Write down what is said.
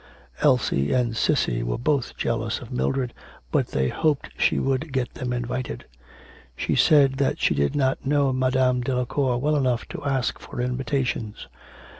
Elsie and Cissy were both jealous of Mildred, but they hoped she would get them invited. She said that she did not know Madame Delacour well enough to ask for invitations.